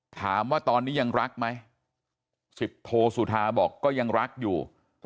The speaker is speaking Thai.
ถามว่าตอนนี้ยังรักไหม๑๐โทสุธาบอกก็ยังรักอยู่